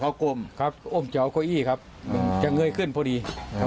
เป็นกองเจาะโคอรี่ครับจะเงยขึ้นพอดี